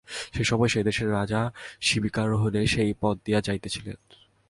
সেই সময় সেই দেশের রাজা শিবিকারোহণে সেই পথ দিয়া যাইতেছিলেন।